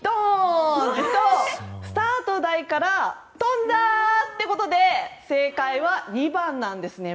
スタート台から飛んだ！ということで正解は２番なんですね。